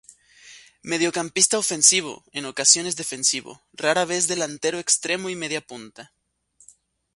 Mediocampista ofensivo, en ocasiones defensivo; rara vez delantero extremo y media punta.